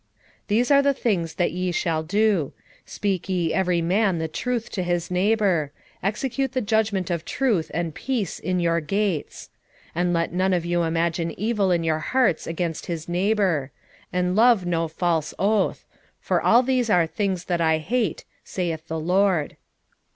8:16 These are the things that ye shall do; Speak ye every man the truth to his neighbour; execute the judgment of truth and peace in your gates: 8:17 And let none of you imagine evil in your hearts against his neighbour; and love no false oath: for all these are things that I hate, saith the LORD.